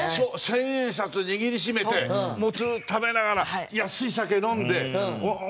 千円札握り締めてもつ食べながら安い酒飲んで。